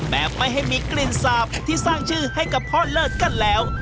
แบบไม่ให้มีกลิ่นสาบที่สร้างชื่อให้กับพ่อเลิศกันแล้ว